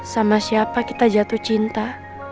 sama siapa kita jatuh cinta